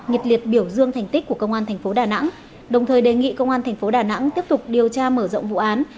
nhiệt liệt biểu dương thành tích của công an tp đà nẵng đồng thời đề nghị công an tp đà nẵng tiếp tục điều tra mở rộng vụ án